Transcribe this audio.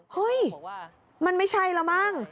เฮ้ยมันไม่ใช่แล้วมั้ง